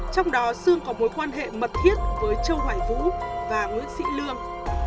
trong đó sương có mối quan hệ mật thiết với châu hoài vũ và nguyễn sĩ lương